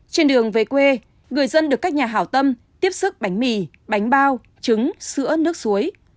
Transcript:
trên đường về quê người dân được các nhà hảo tâm tiếp sức bánh mì bánh bao trứng sữa nước suối